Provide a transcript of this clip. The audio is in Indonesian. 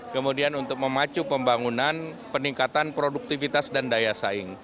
kemudian untuk memacu pembangunan peningkatan produktivitas dan daya saing